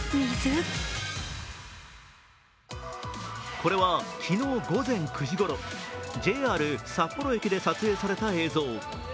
これは昨日午前９時ごろ、ＪＲ札幌駅で撮影された映像。